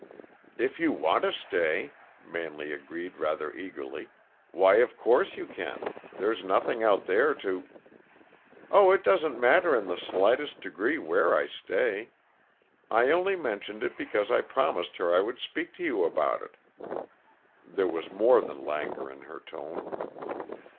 "If you want to stay," Manley agreed rather eagerly, "why, of course, you can. There's nothing out there to " "Oh, it doesn't matter in the slightest degree where I stay. I only mentioned it because I promised her I would speak to you about it." There was more than languor in her tone.